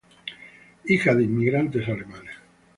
Hija de inmigrantes alemanes.